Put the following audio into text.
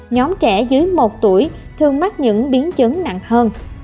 nhóm trẻ dưới một tuổi thường mắc những biến chứng nặng hơn